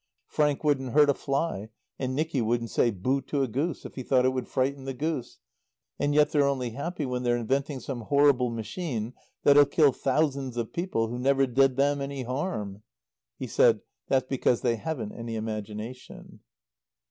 Frank wouldn't hurt a fly and Nicky wouldn't say 'Bo!' to a goose if he thought it would frighten the goose, and yet they're only happy when they're inventing some horrible machine that'll kill thousands of people who never did them any harm." He said, "That's because they haven't any imagination."